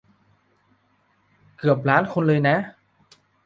เกือบล้านคนเลยนะ